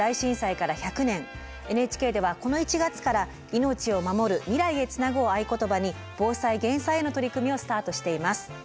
ＮＨＫではこの１月から「命をまもる未来へつなぐ」を合言葉に防災・減災への取り組みをスタートしています。